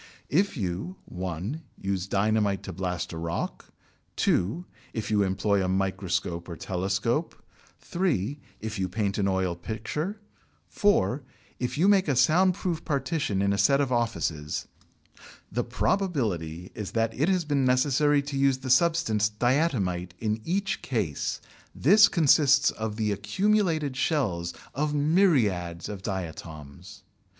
If you (1) use dynamite to blast a rock, (2) if you employ a microscope or telescope, (3) if you paint an oil picture, (4) if you make a sound proof partition in a set of offices, the probability is that it has been necessary to use the substance diatomite in each case. This consists of the accumulated shells of myriads of diatoms.